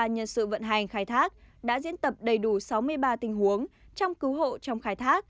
bảy trăm ba mươi ba nhân sự vận hành khai thác đã diễn tập đầy đủ sáu mươi ba tình huống trong cứu hộ trong khai thác